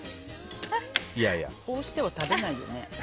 こうしては食べないよね。